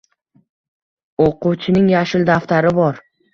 Oʻquvchining yashil daftari bor